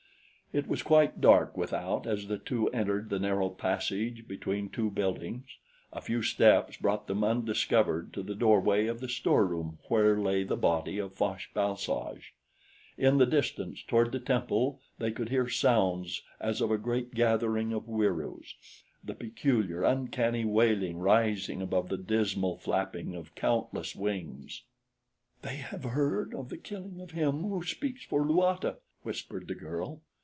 It was quite dark without as the two entered the narrow passage between two buildings. A few steps brought them undiscovered to the doorway of the storeroom where lay the body of Fosh bal soj. In the distance, toward the temple, they could hear sounds as of a great gathering of Wieroos the peculiar, uncanny wailing rising above the dismal flapping of countless wings. "They have heard of the killing of Him Who Speaks for Luata," whispered the girl.